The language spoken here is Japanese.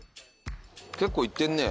結構いってんね。